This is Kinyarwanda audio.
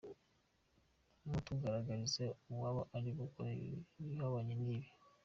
Mutugaragarize uwaba ari gukora ibihabanye n’ibi.”